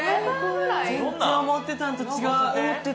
全然思ってたんと違う！